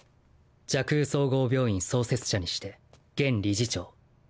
蛇腔総合病院創設者にして現理事長。